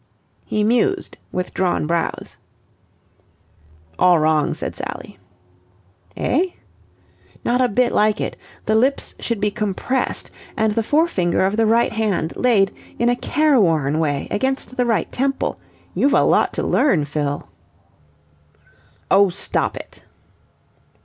He mused with drawn brows. "All wrong," said Sally. "Eh?" "Not a bit like it. The lips should be compressed and the forefinger of the right hand laid in a careworn way against the right temple. You've a lot to learn. Fill." "Oh, stop it!"